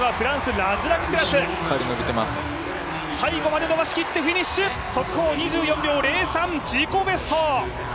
最後まで伸ばしきってフィニッシュ、速報２４秒０３、自己ベスト。